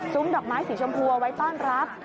ซุ้มดอกไม้สีชมพูเอาไว้ต้านรัก